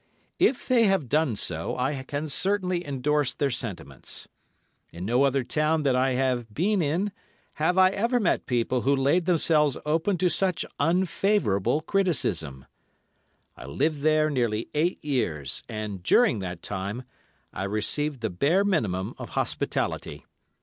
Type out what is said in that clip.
If they have done so, I can certainly endorse their sentiments. In no other town that I have been in have I ever met people who laid themselves open to such unfavourable criticism. I lived there nearly eight years, and during that time I received the bare minimum of hospitality.